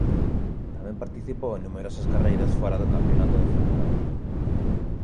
Tamén participou en numerosas carreiras fora do campionato de Fórmula Un.